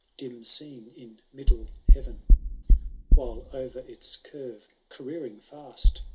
OeuOo TIL Dim seen in middle heayen. While o^er its curve caroering fiust.